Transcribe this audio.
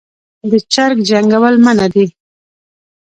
د چرګ جنګول منع دي